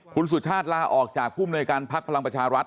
คุณสุชาติลาออกจากผู้มนวยการพักพลังประชารัฐ